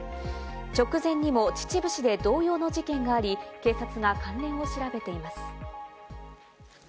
直前にも秩父市で同様の事件があり、警察が関連を調べています。